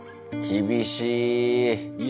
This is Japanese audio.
厳しい。